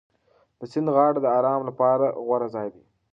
د سیند غاړه د ارام لپاره غوره ځای دی.